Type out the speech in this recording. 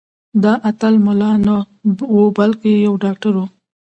دا اتل ملا نه و بلکې یو ډاکټر و.